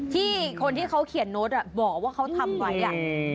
ที่คนที่เขาเขียนโน้ตบอกว่าเขาทำไว้อ่ะ